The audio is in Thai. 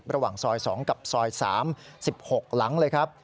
ระหว่างซอย๒กับซอย๓๖หลังเลยครับ